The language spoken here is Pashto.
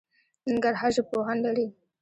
ننګرهار ژبپوهان لري